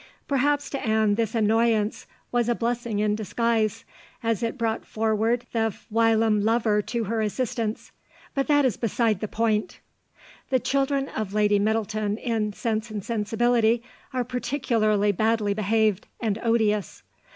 Perhaps to Anne this annoyance was a blessing in disguise, as it brought forward the whilom lover to her assistance, but that is beside the point! The children of Lady Middleton in Sense and Sensibility are particularly badly behaved and odious.